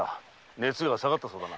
熱が下がったそうだな。